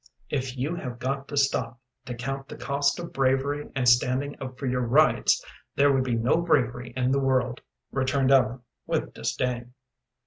"If you have got to stop to count the cost of bravery and standing up for your rights, there would be no bravery in the world," returned Ellen, with disdain.